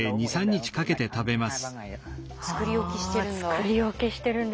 作り置きしてるんだ。